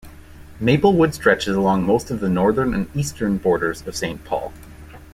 Maplewood stretches along most of the northern and eastern borders of Saint Paul.